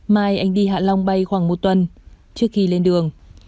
mai anh đi hạ long bay khoảng một tuần trước khi lên đường